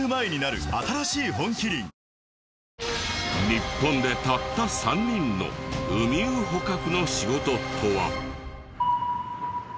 日本でたった３人のウミウ捕獲の仕事とは？